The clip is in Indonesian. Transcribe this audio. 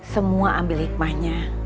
semua ambil hikmahnya